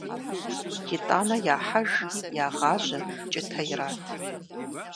ИтӀанэ яхьэж, ягъажьэ, кӀытэ ират.